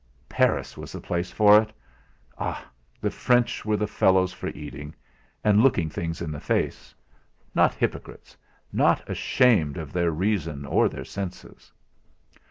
Paris was the place for it. Ah! The French were the fellows for eating, and looking things in the face! Not hypocrites not ashamed of their reason or their senses!